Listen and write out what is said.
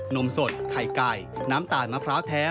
นมสดไข่ไก่น้ำตาลมะพร้าวแท้